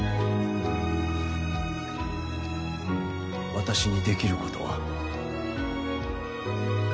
私にできることは？